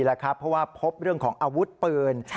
เพราะว่าพบเรื่องของอาวุธปืน